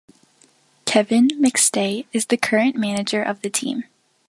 Kevin McStay is the current manager of the team.